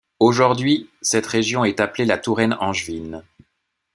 Aujourd'hui, cette région est appelée la Touraine angevine.